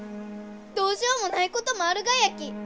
どうしようもないこともあるがやき！